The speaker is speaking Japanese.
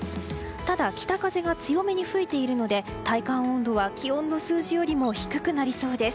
ただ、北風が強めに吹いているので体感温度は気温の数字よりも低くなりそうです。